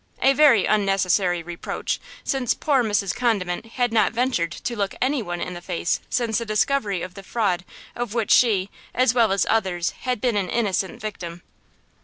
A very unnecessary reproach, since poor Mrs. Condiment had not ventured to look any one in the face since the discovery of the fraud of which she, as well as others, had been an innocent victim.